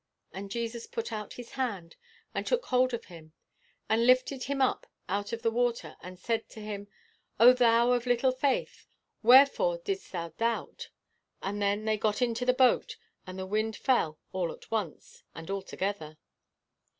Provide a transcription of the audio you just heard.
And Jesus put out his hand, and took hold of him, and lifted him up out of the water, and said to him, 'O thou of little faith, wherefore didst thou doubt? And then they got into the boat, and the wind fell all at once, and altogether.